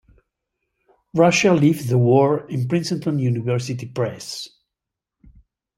Russia Leaves the War en Princeton University Press.